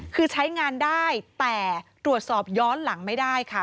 คือใช้งานได้แต่ตรวจสอบย้อนหลังไม่ได้ค่ะ